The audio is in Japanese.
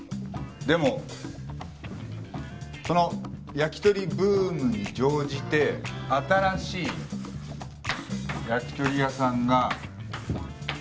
でもその焼き鳥ブームに乗じて新しい焼き鳥屋さんが次々とできたとします。